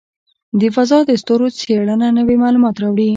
د فضاء د ستورو څېړنه نوې معلومات راوړي.